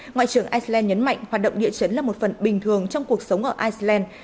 ngoại trưởng iceland nhấn mạnh hoạt động địa chấn là một phần bình thường trong cuộc sống ở iceland